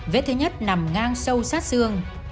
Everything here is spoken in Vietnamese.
vết thứ nhất nằm ngang sâu sát xương